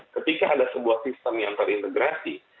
ketika ada sebuah sistem yang terintegrasi